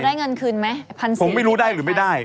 แล้วได้เงินคืนไหมพันศิลปีก่อนค่ะผมไม่รู้ได้หรือไม่ได้